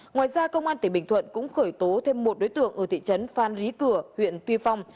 ngoài ra công an tỉnh bình thuận cũng khởi tố thêm một đối tượng ở thị trấn phan rí cửa huyện tuy phong